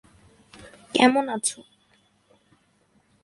কেমন আছো?